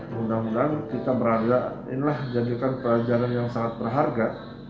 mudah mudahan kita berharga inilah jadikan pelajaran yang sangat berharga